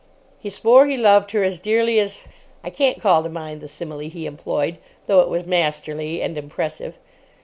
He swore he loved her as dearly as—(I can't call to mind the simile he employed, though it was masterly and impressive.)